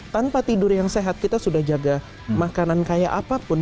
tanpa tidur yang sehat kita sudah jaga makanan kayak apapun